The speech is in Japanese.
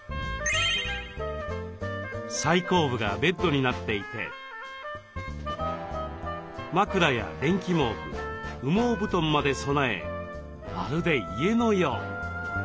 最後部がベッドになっていて枕や電気毛布羽毛布団まで備えまるで家のよう。